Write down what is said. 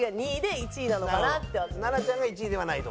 奈々ちゃんが１位ではないと？